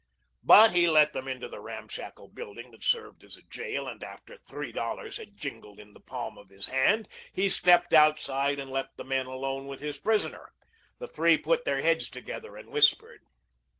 But he let them into the ramshackle building that served as a jail, and after three dollars had jingled in the palm of his hand he stepped outside and left the men alone with his prisoner. The three put their heads together and whispered.